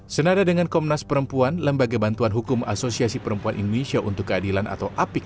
senada dengan komnas perempuan lembaga bantuan hukum asosiasi perempuan indonesia untuk keadilan atau apik